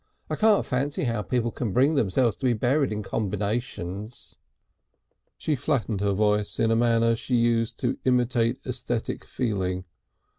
I can't fancy how people can bring themselves to be buried in combinations." She flattened her voice in a manner she used to intimate aesthetic feeling.